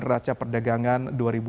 raca perdagangan dua ribu sembilan belas